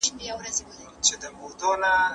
که صابون وي نو رنګ نه پاتې کیږي.